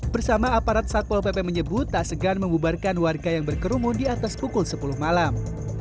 bersama aparat satpol pp menyebut tak segan membubarkan warga yang berkerumun di atas pukul sepuluh malam